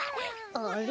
あれ？